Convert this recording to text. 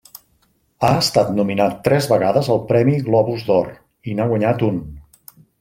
Ha estat nominat tres vegades al Premi Globus d'Or i n'ha guanyat un.